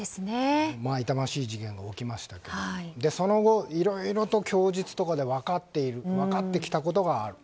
痛ましい事件が起きましたがその後、いろいろと供述とかで分かってきたことがある。